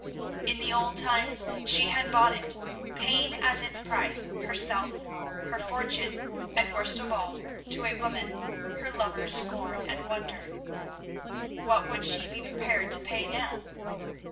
In the old times she had bought it, paying as its price herself, her fortune, and, worst of all, to a woman, her lover's scorn and wonder. What would she be prepared to pay now?